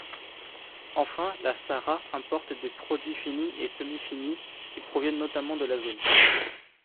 Enfin, la SARA importe des produits finis et semi-finis, qui proviennent notamment de la zone.